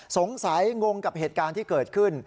สงสัยงงกับเหตุการณ์ที่เกิดขึ้น